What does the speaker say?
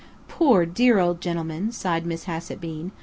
"Poor, dear old gentleman!" sighed Miss Hassett Bean.